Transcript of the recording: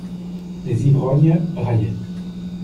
Les ivrognes braillaient.